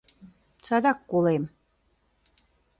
Садак колем...